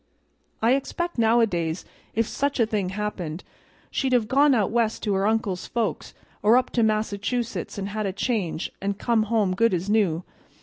"I expect nowadays, if such a thing happened, she'd have gone out West to her uncle's folks or up to Massachusetts and had a change, an' come home good as new.